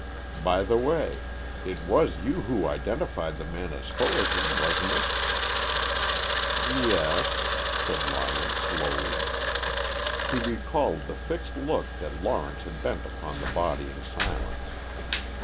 By the way, it was you who identified the man as Fullerton, wasn't it?" "Yes," said Lyon slowly. He recalled the fixed look that Lawrence had bent upon the body in silence.